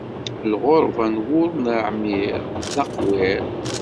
Lɣeṛba n wur neɛmiṛ, d aqwiṛ.